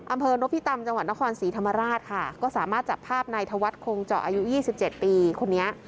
อำเภอนพิตำจังหวัดนครศรีธรรมราชค่ะก็สามารถจับภาพนายธวัฒน์คงเจาะอายุ๒๗ปีคนนี้